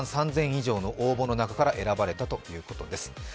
３万３０００以上の応募の中から選ばれたということです。